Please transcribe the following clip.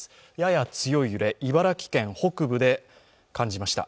やや強い揺れ、茨城県北部で感じました。